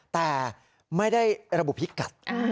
แต่ไม่ได้ระบุพิกัด